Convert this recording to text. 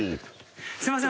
すいません。